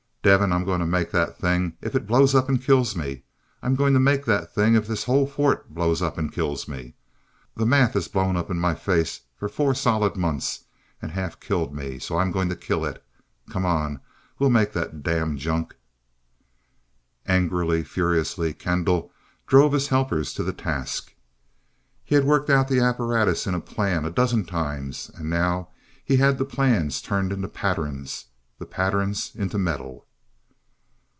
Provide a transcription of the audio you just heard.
"Devin, I'm going to make that thing, if it blows up and kills me. I'm going to make that thing if this whole fort blows up and kills me. That math has blown up in my face for four solid months, and half killed me, so I'm going to kill it. Come on, we'll make that damned junk." Angrily, furiously, Kendall drove his helpers to the task. He had worked out the apparatus in plan a dozen times, and now he had the plans turned into patterns, the patterns into metal.